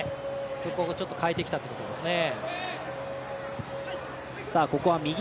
そこを、ちょっと代えてきたってことですね。